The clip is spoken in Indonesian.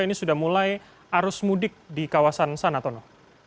ini sudah mulai arus mudik di kawasan sana tono